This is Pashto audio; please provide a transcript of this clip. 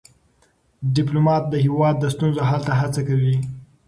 ډيپلومات د هیواد د ستونزو حل ته هڅه کوي.